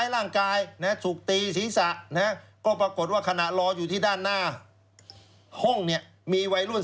ยิงเข้าไปด้วยสิบสองนัด